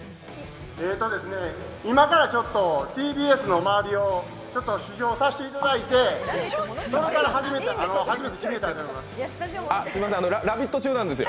今からちょっとＴＢＳの周りを試乗させていただいて、それから決めたいと思います。